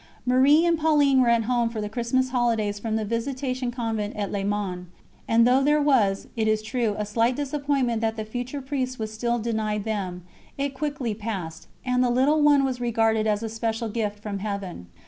Marie and Pauline were at home for the Christmas holidays from the Visitation Convent at Le Mans, and though there was, it is true, a slight disappointment that the future priest was still denied them, it quickly passed, and the little one was regarded as a special gift from Heaven.